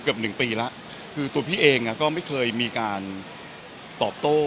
ก็เกือบ๑ปีละคือตัวพี่เองก็ไม่เคยมีการตอบโต้